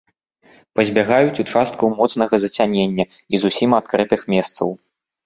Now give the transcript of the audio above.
Пазбягаюць участкаў моцнага зацянення і зусім адкрытых месцаў.